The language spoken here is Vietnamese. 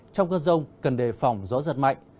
trong cơn rông cần đề phỏng gió giật mạnh